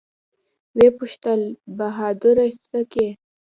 ويې پوښتل بهادره سه کې.